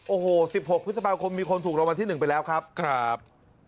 โอ้โหสิบหกพฤษภาคมีคนถูกรวมวันที่หนึ่งไปแล้วครับครับ